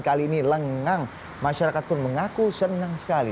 kali ini lengang masyarakat pun mengaku senang sekali